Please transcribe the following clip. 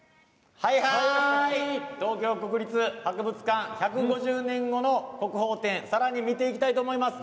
東京国立博物館「１５０年後の国宝展」さらに見ていきたいと思います。